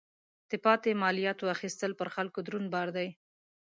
د پاتې مالیاتو اخیستل پر خلکو دروند بار دی.